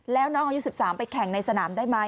แล้วน้องอายุ๑๓ไปแข่งในสนามได้ไหม